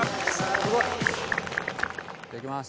いただきます。